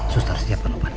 sustar siapkan obat